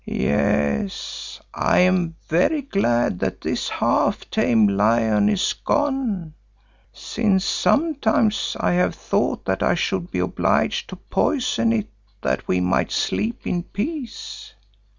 Yes, I am very glad that this half tame lion is gone, since sometimes I have thought that I should be obliged to poison it that we might sleep in peace.